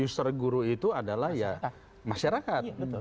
user guru itu adalah ya masyarakat